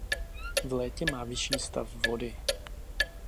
V létě má vyšší stav vody.